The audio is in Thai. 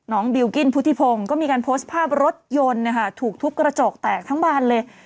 บิลกิ้นพุทธิพงศ์ก็มีการโพสต์ภาพรถยนต์นะคะถูกทุบกระจกแตกทั้งบานเลย